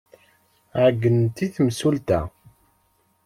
Ɛeyynent i temsulta.